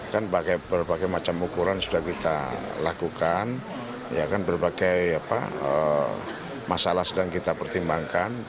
kan berbagai macam ukuran sudah kita lakukan berbagai masalah sedang kita pertimbangkan